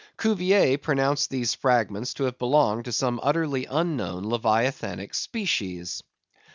Cuvier pronounced these fragments to have belonged to some utterly unknown Leviathanic species.